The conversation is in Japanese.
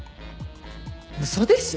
嘘でしょ！？